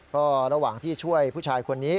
ก็ระหว่างที่ช่วยผู้ชายคนนี้